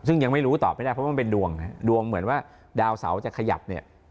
ซึ่งยังไม่รู้ตอบไม่ได้เพราะมันเป็นดวงนะครับดวงเหมือนว่าดาวเสาจะขยับเนี่ย